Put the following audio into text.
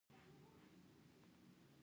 ایا زه باید پاوډر وکاروم؟